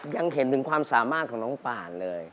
ยังเห็นถึงความสามารถของน้องป่านเลย